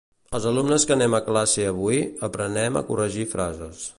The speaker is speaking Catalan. les alumnes que anem a classe avui, aprenem a corregir frases .